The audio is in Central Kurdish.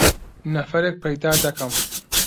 نەفەرێک پەیدا دەکەم.